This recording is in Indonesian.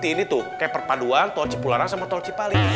ini tuh kayak perpaduan tolci pularang sama tolci paling